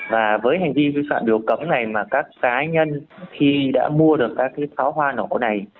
và với hành vi vi phạm điều cấm này mà các cá nhân khi đã mua được các pháo hoa nổ này